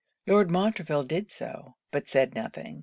Lord Montreville did so, but said nothing.